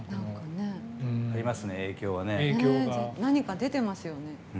何か出てますよね。